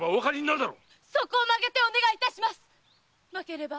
〔そこを曲げてお願いいたします！〕